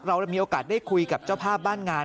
เรามีโอกาสได้คุยกับเจ้าภาพบ้านงาน